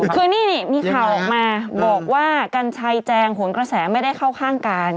คือนี่มีข่าวออกมาบอกว่ากัญชัยแจงหนกระแสไม่ได้เข้าข้างกัน